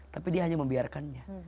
tapi dia hanya membiarkannya